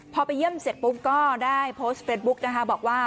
พอไปเยี่ยมเสร็จปุ๊บก็ได้โพสต์เฟสบุ๊กนะคะบอกว่า